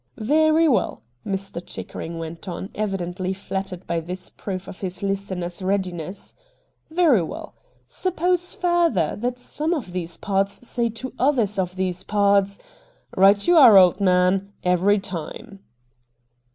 ' Very well,' Mr. Chickering went on, evidently flattered by this proof of his listenei''s readiness ;' very well. Suppose further that some of these pards say to others of these pards, "Pdght you are, old man," every tiaie.'